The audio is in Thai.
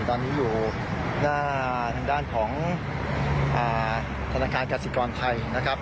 ตอนนี้อยู่หน้าทางด้านของธนาคารกสิกรไทยนะครับ